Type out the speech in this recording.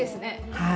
はい。